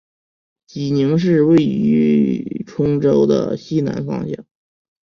济宁市位于兖州的西南方向。